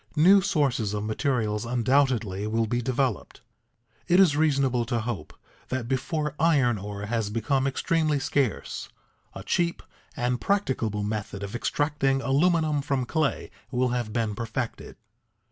New sources of materials undoubtedly will be developed. It is reasonable to hope that before iron ore has become extremely scarce, a cheap and practicable method of extracting aluminium from clay will have been perfected.